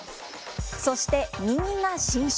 そして、右が新種。